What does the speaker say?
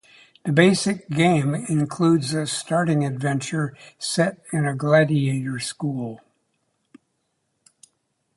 The basic game includes a starting adventure set in a gladiator school.